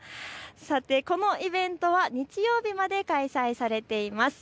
このイベントは日曜日まで開催されています。